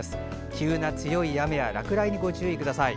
急な強い雨や落雷にご注意ください。